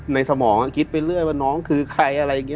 ในสมองคิดไปเรื่อยว่าน้องคือใคร